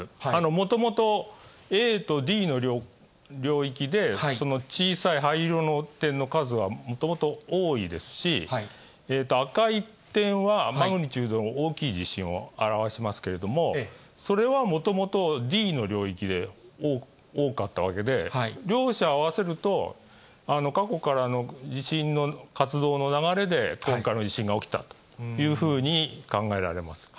もともと、ａとｄの領域でその小さい灰色の点の数はもともと多いですし、赤い点はマグニチュードが大きい地震を表しますけれども、それはもともとｄの領域で多かったわけで、両者を合わせると、過去からの地震の活動の流れで今回の地震が起きたというふうに考えられます。